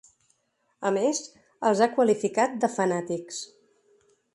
A més, els ha qualificats de ‘fanàtics’.